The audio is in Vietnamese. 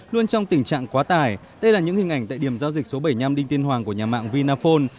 luôn trong tình trạng quá tải đây là những hình ảnh tại điểm giao dịch số bảy mươi năm đinh tiên hoàng của nhà mạng vinaphone